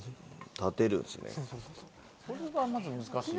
立てるんですね。